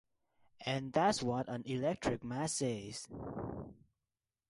And that's what an Electric Mass is.